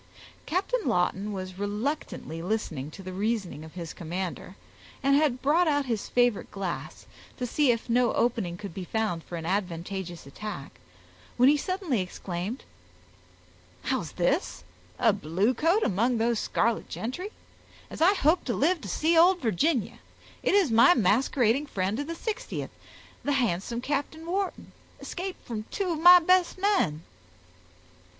Captain Lawton was reluctantly listening to the reasoning of his commander, and had brought out his favorite glass, to see if no opening could be found for an advantageous attack, when he suddenly exclaimed,— "How's this! a bluecoat among those scarlet gentry? As I hope to live to see old Virginia, it is my masquerading friend of the 60th, the handsome Captain Wharton, escaped from two of my best men!"